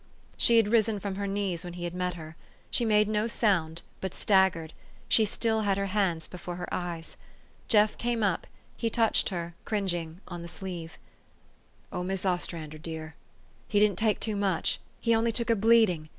She had risen from her knees when he met her. She made no sound, but staggered : she still had her hands before her eyes. Jeff came up ; he touched her, cringing, on the sleeve. " O Mis' Ostrander dear ! he didn't take too much he only took a bleeding.